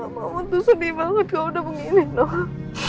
mama tuh sedih banget kau udah begini noh